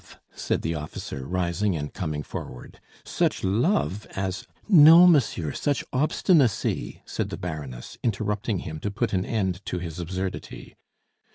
said the officer, rising and coming forward. "Such love as " "No, monsieur, such obstinacy!" said the Baroness, interrupting him to put an end to his absurdity.